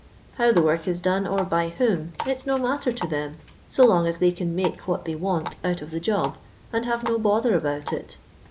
IIuw the work is done, or by whom, it's no matter to them, so long as they can nvikc what they want out of the job, and have no bother about it.